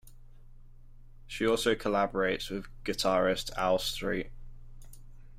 She also collaborates with guitarist Al Street.